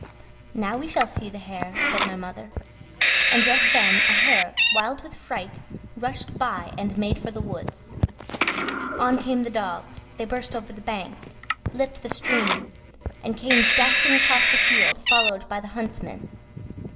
"Now we shall see the hare," said my mother; and just then a hare wild with fright rushed by and made for the woods. On came the dogs; they burst over the bank, leaped the stream, and came dashing across the field followed by the huntsmen.